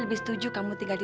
nih sekali lagi